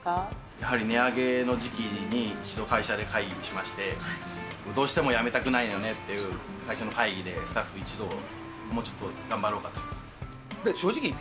やはり値上げの時期に一度会社で会議しまして、どうしてもやめたくないよねっていう会社の会議でスタッフ一同、もうちょっと頑張ろうかと。